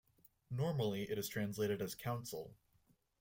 Normally it is translated as "council".